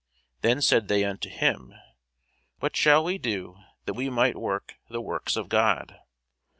Then said they unto him, What shall we do, that we might work the works of God?